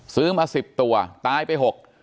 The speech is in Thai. ซื้อมา๑๐ตัวตายไป๖